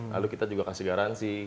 lalu kita juga kasih garansi